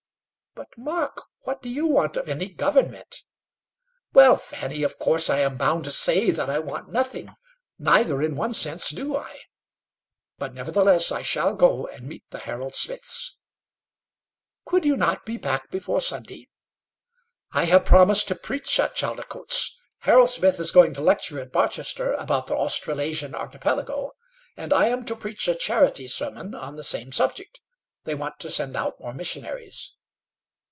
"But, Mark, what do you want of any government?" "Well, Fanny, of course I am bound to say that I want nothing; neither in one sense do I; but nevertheless, I shall go and meet the Harold Smiths." "Could you not be back before Sunday?" "I have promised to preach at Chaldicotes. Harold Smith is going to lecture at Barchester, about the Australasian archipelago, and I am to preach a charity sermon on the same subject. They want to send out more missionaries."